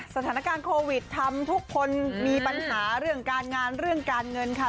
สถานการณ์โควิดทำทุกคนมีปัญหาเรื่องการงานเรื่องการเงินค่ะ